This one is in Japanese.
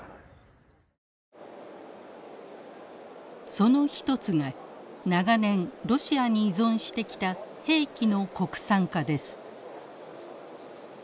その一つが長年ロシアに依存してきた兵器の国産化です。